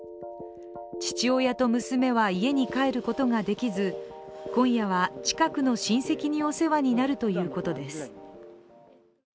父親と娘は家に帰ることができず、今夜は近くの親戚にお世話になるということです。